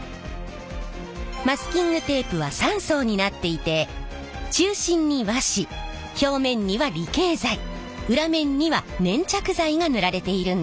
マスキングテープは３層になっていて中心に和紙表面には離型剤裏面には粘着剤が塗られているんです。